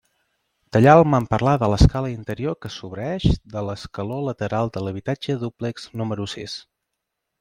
Tallar el mamperlà de l'escala interior que sobreïx de l'escaló lateral de l'habitatge dúplex número sis.